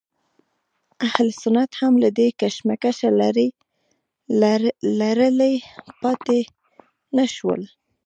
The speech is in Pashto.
اهل سنت هم له دې کشمکشه لرې پاتې نه شول.